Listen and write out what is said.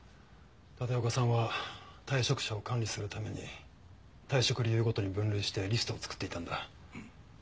立岡さんは退職者を管理するために退職理由ごとに分類してリストを作っていたんだ。